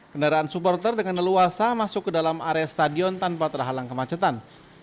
kendaraan supporter dengan leluasa masuk ke dalam area stadion tanpa terhalang kemacetan